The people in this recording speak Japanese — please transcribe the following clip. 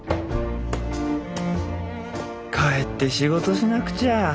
帰って仕事しなくちゃ。